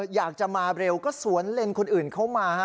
อยากจะมาเร็วก็สวนเลนคนอื่นเข้ามา